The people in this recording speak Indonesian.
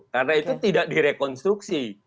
karena itu tidak direkonstruksi